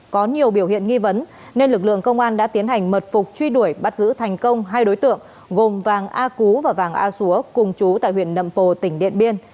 có nhiều biểu hiện nghi vấn nên lực lượng công an đã tiến hành mật phục truy đuổi bắt giữ thành công hai đối tượng gồm vàng a cú và vàng a xúa cùng chú tại huyện nậm pồ tỉnh điện biên